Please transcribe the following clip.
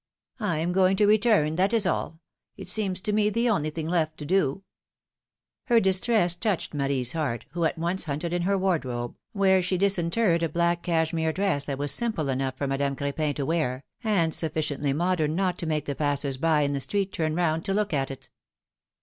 I am going to return, that is all ; it seems to me the only thing left to do !" Her distress touched Marie's heart, who at once hunted in her wardrobe, whence she disinterred a black cashmere dress that was simple enough for Madame Cr^pin to wear, and sufiSciently modern not to make the passers by in the street turn round to look at it.